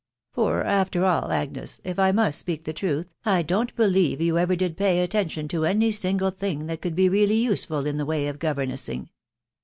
For, after all, Agnes, if I must speak the truth, I don't believe you ever did pay attention to any single thing that could be really useful in the way of govemessing.